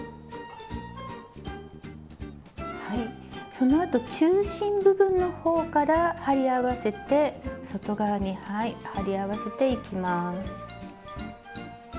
そのあと中心部分の方から貼り合わせて外側に貼り合わせていきます。